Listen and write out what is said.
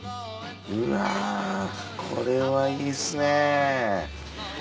うわぁこれはいいですね。